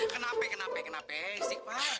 kenapa kenapa kenapa istikfar